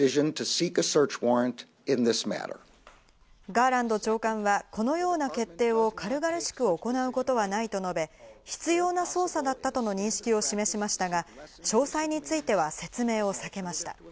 ガーランド長官はこのような決定を軽々しく行うことはないと述べ、必要な捜査だったとの認識を示しましたが、詳細については説明を避けました。